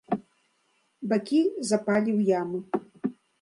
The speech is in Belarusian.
Бакі запалі ў ямы.